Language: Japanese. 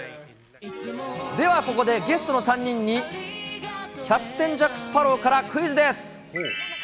ではここで、ゲストの３人にキャプテンジャック・スパロウからクイズです。